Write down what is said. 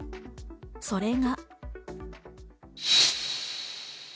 それが。